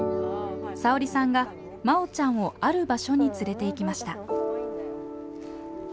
さおりさんがまおちゃんをある場所に連れていきました。